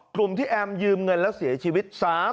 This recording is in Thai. กลุ่มที่แอมยืมเงินแล้วเสียชีวิต